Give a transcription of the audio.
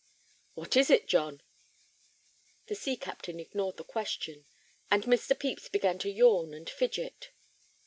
"What is it, John?" The sea captain ignored the question, and Mr. Pepys began to yawn and fidget.